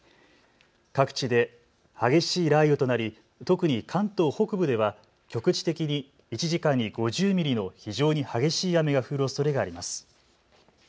各地で激しい雷雨となり特に関東北部では局地的に１時間に５０ミリの非常に激しい雨が降るおそれがあります。